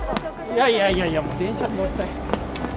いやいやいやいやもう電車に乗りたい。